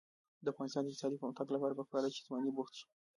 د افغانستان د اقتصادي پرمختګ لپاره پکار ده چې ځوانان بوخت شي.